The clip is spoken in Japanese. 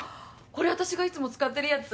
これ私がいつも使ってるやつ！